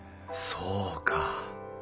そうか。